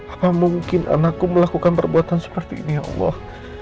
apa mungkin anakku melakukan perbuatan seperti ini ya allah